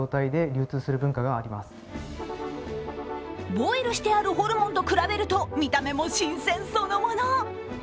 ボイルしてあるホルモンと比べると、見た目も新鮮そのもの。